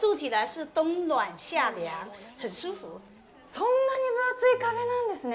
そんなに分厚い壁なんですね。